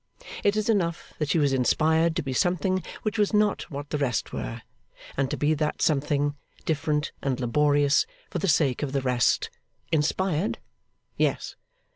It is enough that she was inspired to be something which was not what the rest were, and to be that something, different and laborious, for the sake of the rest. Inspired? Yes.